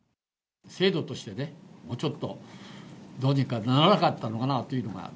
制度としてね、ちょっとどうにかならなかったのかなあというのが。